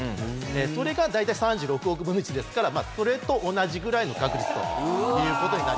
それが大体３６億分の１ですからそれと同じぐらいの確率という事になります。